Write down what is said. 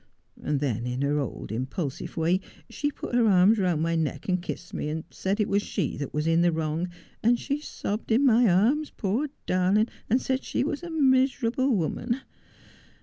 And then in der old impulsive way she put her arms round my neck and kissed me, and said it was she that was in the wrong, and she sobbed in my arms, poor darling, and said she was a miserable woman.